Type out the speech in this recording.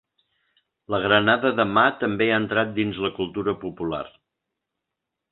La granada de mà també ha entrat dins la cultura popular.